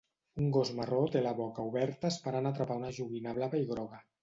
Un gos marró té la boca oberta esperant atrapar una joguina blava i groga.